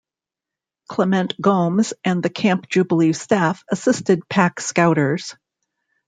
Clement Gomes and the Camp Jubilee staff assisted Pack Scouters.